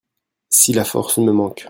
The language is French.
Si la force me manque.